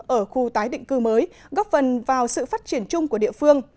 ở khu tái định cư mới góp phần vào sự phát triển chung của địa phương